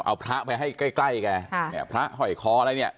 เอาพระไปให้ใกล้แกพระหอยคออะไรเนี่ย